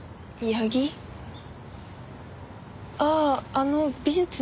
あああの美術の？